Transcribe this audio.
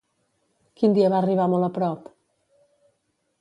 Quin dia va arribar molt a prop?